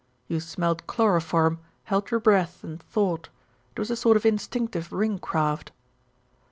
You smelt chloroform, held your breath and thought. It was a sort of instinctive ring craft."